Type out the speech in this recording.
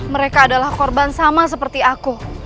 mereka adalah korban sama seperti aku